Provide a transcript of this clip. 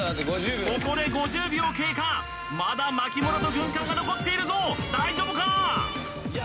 ここで５０秒経過まだ巻物と軍艦が残っているぞ大丈夫か？